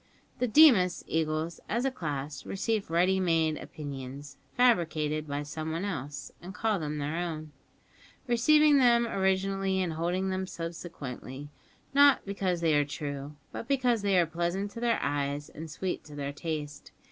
The Deemas eagles as a class receive ready made opinions, fabricated by someone else, and call them their own receiving them originally and holding them subsequently, not because they are true, but because they are pleasant to their eyes and sweet to their taste.